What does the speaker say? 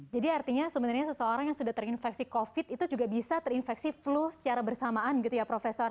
jadi artinya sebenarnya seseorang yang sudah terinfeksi covid itu juga bisa terinfeksi flu secara bersamaan gitu ya prof